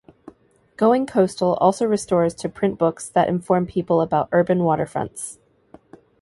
Going Coastal also restores to print books that inform people about urban waterfronts.